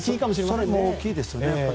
それも大きいですね。